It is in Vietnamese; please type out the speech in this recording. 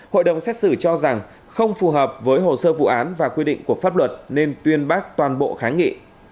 hội đồng xét xử cho rằng không phù hợp với hồ sơ vụ án và quy định của pháp luật nên tuyên bác toàn bộ kháng nghị